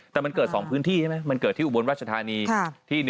แต่มันเกิด๒พื้นที่ใช่ไหมมันเกิดที่อุบลราชธานี